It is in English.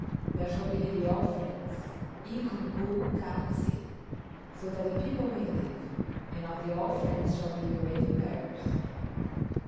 There shall be the All Friends ([=I]k[)u]n [)u]h´ k[=a]h ts[)i]), so that the people may live, and of the All Friends shall be the Raven Bearers."'